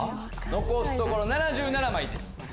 残すところ７７枚。